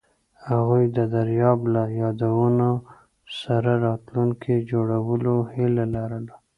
هغوی د دریاب له یادونو سره راتلونکی جوړولو هیله لرله.